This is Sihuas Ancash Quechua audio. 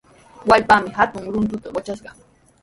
Wallpaami hatun runtuta watrashqa.